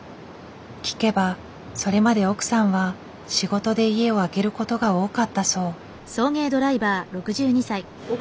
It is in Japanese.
聞けばそれまで奥さんは仕事で家を空けることが多かったそう。